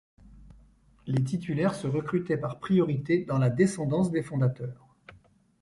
Les titulaires se recrutaient par priorité dans la descendance des fondateurs.